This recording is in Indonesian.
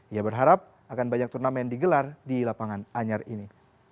ia berharap akan banyak turnamen digelar di lapangan anyar ini